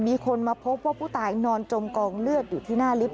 มีคนมาพบว่าผู้ตายนอนจมกองเลือดอยู่ที่หน้าลิฟต